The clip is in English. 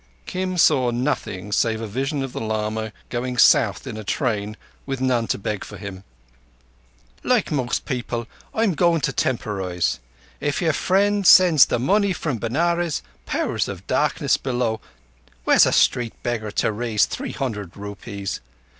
Kim saw nothing save a vision of the lama going south in a train with none to beg for him. "Like most people, I'm going to temporize. If your friend sends the money from Benares—Powers of Darkness below, where's a street beggar to raise three hundred rupees?